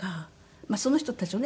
まあその人たちをね